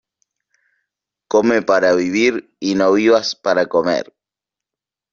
Come para vivir y no vivas para comer.